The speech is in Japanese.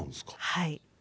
はい。